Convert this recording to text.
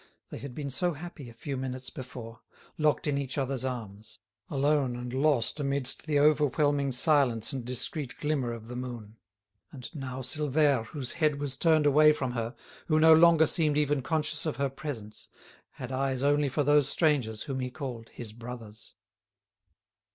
They had been so happy a few minutes before, locked in each other's arms, alone and lost amidst the overwhelming silence and discreet glimmer of the moon! And now Silvère, whose head was turned away from her, who no longer seemed even conscious of her presence, had eyes only for those strangers whom he called his brothers.